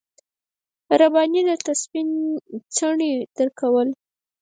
رباني درته سپين څڼې درکول.